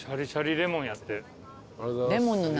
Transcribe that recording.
レモンの何？